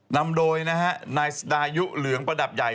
นำโดยนะฮะนายดายุเหลืองประดับใหญ่